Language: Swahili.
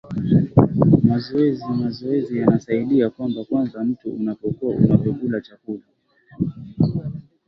mazoezi mazoezi yanasaidia kwamba kwanza mtu unapokuwa unavyokula chakula